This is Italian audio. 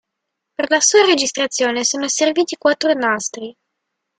Per la sua registrazione sono serviti quattro nastri.